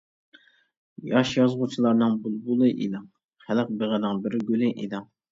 ياش يازغۇچىلار بۇلبۇلى ئىدىڭ، خەلق بېغىنىڭ بىر گۈلى ئىدىڭ.